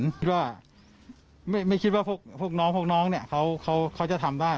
คิดว่าไม่คิดว่าพวกน้องพวกน้องเนี่ยเขาจะทำได้